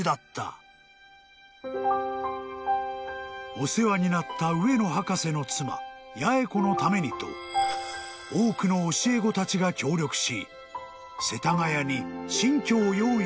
［お世話になった上野博士の妻八重子のためにと多くの教え子たちが協力し］